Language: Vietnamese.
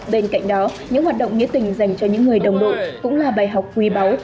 bên cạnh đó những hoạt động nghĩa tình dành cho những người đồng đội cũng là bài học quý báu